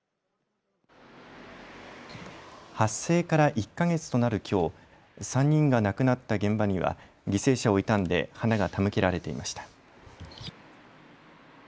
発生から１か月となるきょう、３人が亡くなった現場には犠牲者を悼んで花が手向けられていました。